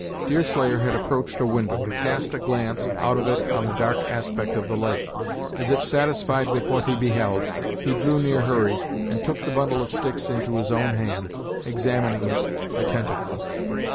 Deerslayer had approached a window, and cast a glance out of it on the dark aspect of the lake. As if satisfied with what he beheld, he drew near Hurry, and took the bundle of sticks into his own hand, examining it attentively.